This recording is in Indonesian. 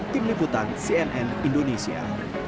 tim liputan cnn indonesia